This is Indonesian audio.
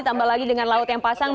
tambah lagi dengan laut yang pasang